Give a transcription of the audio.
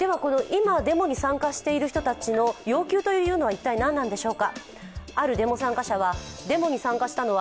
では、今、デモに参加している人たちの要求は何なんでしょうか。